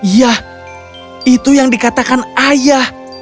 yah itu yang dikatakan ayah